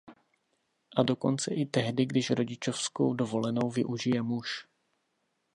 A dokonce i tehdy, když rodičovskou dovolenou využije muž.